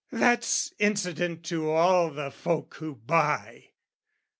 That's incident to all the folk who buy!